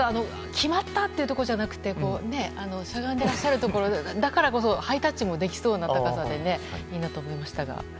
決まった！というところじゃなくてしゃがんでいらっしゃるところでだからこそハイタッチもできそうな高さでいいなと思いましたが。